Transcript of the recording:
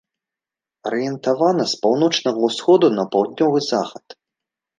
Арыентавана з паўночнага ўсходу на паўднёвы захад.